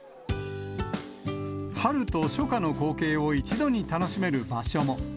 春と初夏の光景を一度に楽しめる場所も。